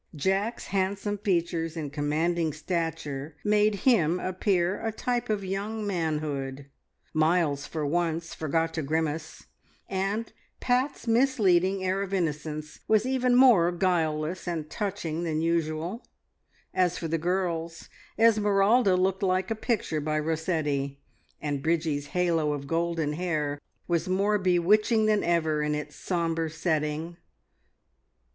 Jack's handsome features and commanding stature made him appear a type of young manhood, Miles for once forgot to grimace, and Pat's misleading air of innocence was even more guileless and touching than usual. As for the girls, Esmeralda looked like a picture by Rossetti, and Bridgie's halo of golden hair was more bewitching than ever in its sombre setting.